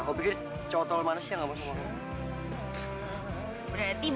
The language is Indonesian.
aku punya kotoro manisnya nggak mau video ft khairul